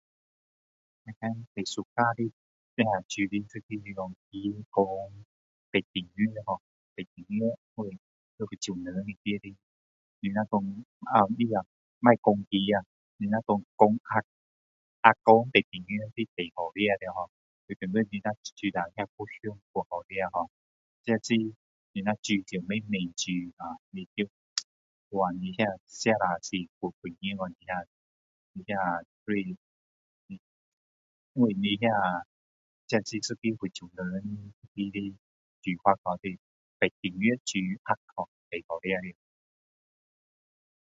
我们最喜欢煮的就是煲八珍药哦，八珍药因为在福洲人里面的，你那说，它啊，不要煲鸡，你那说,煲鸭，鸭煲八珍药是最好吃的ho我觉得你那煮那又香，又好吃哦，这是，你煮要慢慢煮啊，哇！你那吃了真太过瘾了。你那，你那 [unintelligible] 因为你那，这是一个福洲人的煮法了，就是八珍药煮鸭ho，最好吃的了。